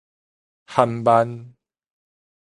頇顢